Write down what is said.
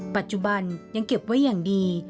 ปัจจุบันยังเก็บไว้อย่างดี